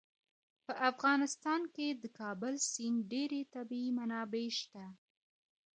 په افغانستان کې د کابل سیند ډېرې طبعي منابع شته.